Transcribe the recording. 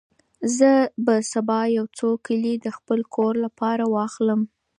زه به سبا یو څو کیلې د خپل کور لپاره واخلم.